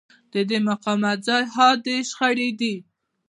د دې مقاومت ځای حادې شخړې دي.